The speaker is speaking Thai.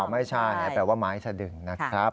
ไม่ใช่แปลว่าไม้สะดึงนะครับ